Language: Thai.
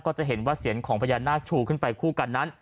จะเห็นว่าเสียงของพญานาคชูขึ้นไปคู่กันนั้น